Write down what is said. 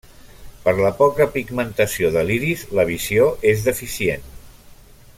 Per la poca pigmentació de l'iris la visió és deficient.